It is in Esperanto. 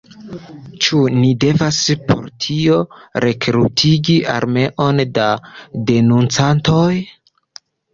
Ĉu ni devas por tio rekrutigi armeon da denuncantoj?